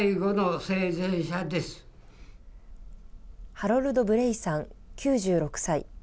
ハロルド・ブレイさん９６歳。